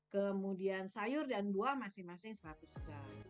kemudian sayur dan buah masing masing seratus gram